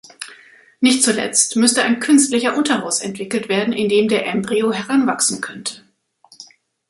Nicht zuletzt müsste ein künstlicher Uterus entwickelt werden, in dem der Embryo heranwachsen könnte.